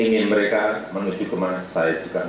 ingin mereka menuju kemana saya juga